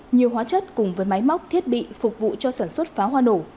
nhiều hóa chất cùng với máy móc thiết bị phục vụ cho sản xuất pháo hoa nổ